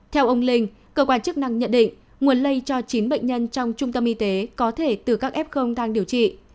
theo ông linh cơ quan chức năng nhận định nguồn lây cho chín bệnh nhân trong trung tâm y tế có thể từ các f đang điều trị